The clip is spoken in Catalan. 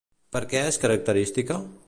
Per què és característica?